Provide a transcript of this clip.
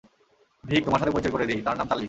ভিক তোমার সাথে পরিচয় করিয়ে দেই, তার নাম চার্লি।